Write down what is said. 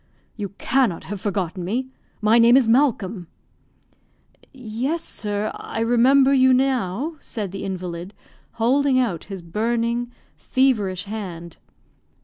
"You cannot have forgotten me my name is Malcolm." "Yes, sir; I remember you now," said the invalid holding out his burning, feverish hand.